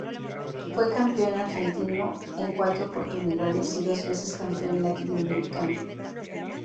Fue campeón argentino en cuatro oportunidades y dos veces campeón latinoamericano.